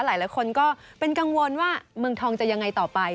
หลายคนก็เป็นกังวลว่าเมืองทองจะยังไงต่อไป